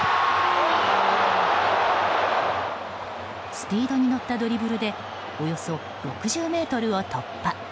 スピードに乗ったドリブルでおよそ６０ｍを突破。